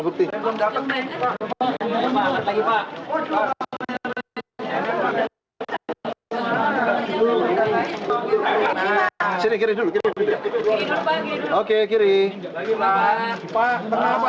bukan dari kepala tarap bukan dari kepala tarap